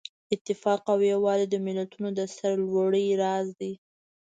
اتفاق او یووالی د ملتونو د سرلوړۍ راز دی.